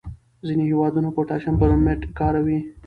ځینې هېوادونه پوټاشیم برومیټ کاروي.